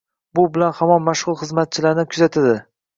Bu bilan hamon mashg’ul xizmatchilarni kuzatidi.